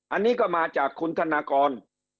อันนี้ก็มาจากคุณธนากร